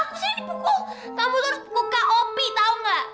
kamu tuh harus pukul kop tau nggak